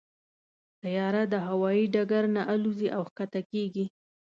طیاره د هوايي ډګر نه الوزي او کښته کېږي.